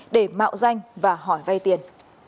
để mạo danh và hỏi vay tiền